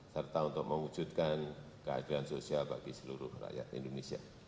serta untuk mengujudkan keadaan sosial bagi seluruh rakyat indonesia